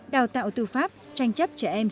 đào tạo tư pháp tranh chấp trẻ em